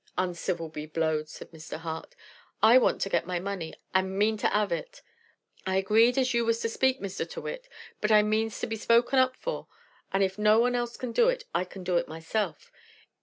"Uncivil be blowed!" said Mr. Hart; "I want to get my money, and mean to 'ave it. I agreed as you was to speak, Mr. Tyrrwhit; but I means to be spoken up for; and if no one else can do it, I can do it myself.